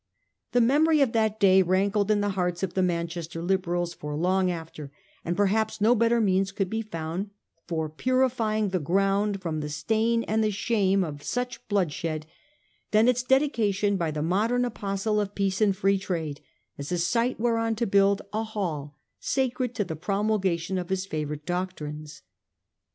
The memory of that day rankled in the hearts of the Manchester Liberals for long after, and perhaps no better means could be found for purifying the ground from the stain and the shame of such bloodshed than its dedication by the modern apostle of peace and Free Trade as a site whereon to build a hall sacred to the promulgation of his favourite doctrines.